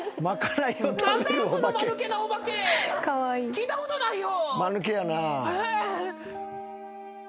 聞いたことないよ。